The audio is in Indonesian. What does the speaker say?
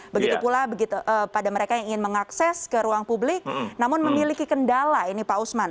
begitu pula begitu pada mereka yang ingin mengakses ke ruang publik namun memiliki kendala ini pak usman